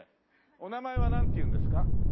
お名前はなんていうんですか？